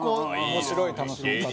面白い楽しみ方。